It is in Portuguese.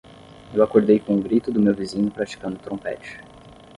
Eu acordei com o grito do meu vizinho praticando trompete.